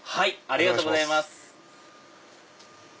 ありがとうございます。